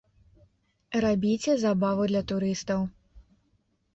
Рабіце забаву для турыстаў.